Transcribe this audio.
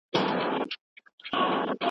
ناځوانه ستا لاسونه چا نيولي دينه